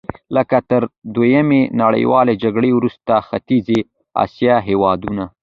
لکه تر دویمې نړیوالې جګړې وروسته ختیځې اسیا هېوادونه.